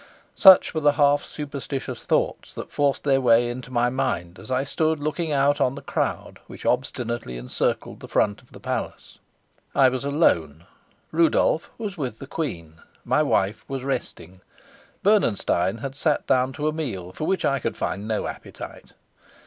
Such were the half superstitious thoughts that forced their way into my mind as I stood looking out on the crowd which obstinately encircled the front of the palace. I was alone; Rudolf was with the queen, my wife was resting, Bernenstein had sat down to a meal for which I could find no appetite.